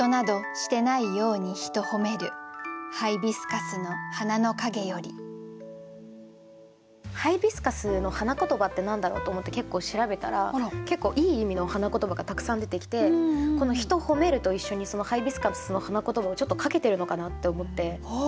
今週のテーマはハイビスカスの花言葉って何だろうと思って結構調べたら結構いい意味の花言葉がたくさん出てきてこの「ひと褒める」と一緒にそのハイビスカスの花言葉をちょっとかけてるのかなって思って。